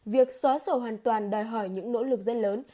việc xóa sổ hoàn toàn đòi hỏi những nỗ lực rất lớn